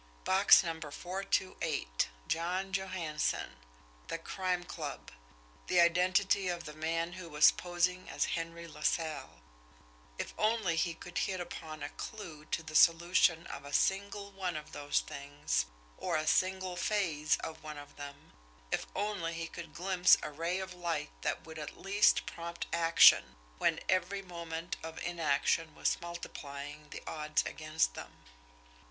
Box number four two eight John Johansson the Crime Club the identity of the man who was posing as Henry LaSalle! If only he could hit upon a clew to the solution of a single one of those things, or a single phase of one of them if only he could glimpse a ray of light that would at least prompt action, when every moment of inaction was multiplying the odds against them!